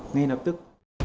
ngay lập tức